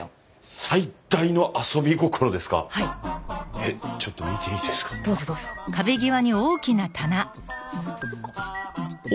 えっちょっと見ていいですか？